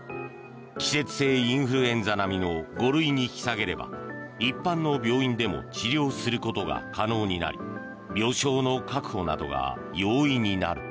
季節性インフルエンザ並みの５類に引き下げれば一般の病院でも治療することが可能になり病床の確保などが容易になる。